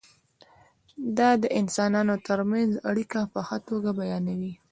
دا د انسانانو ترمنځ اړیکه په ښه توګه بیانوي.